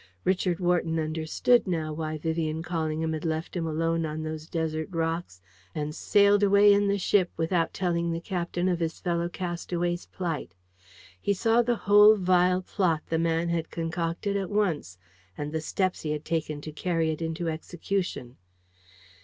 Richard Wharton understood now why Vivian Callingham had left him alone on those desert rocks, and sailed away in the ship without telling the captain of his fellow castaway's plight. He saw the whole vile plot the man had concocted at once, and the steps he had taken to carry it into execution.